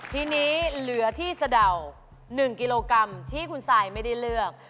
ทีนี้เหลือที่สะเดา๑กิโลกรัมที่คุณซายไม่ได้เลือก